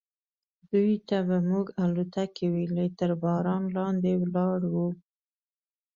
دوی ته به موږ الوتکې ویلې، تر باران لاندې ولاړ و.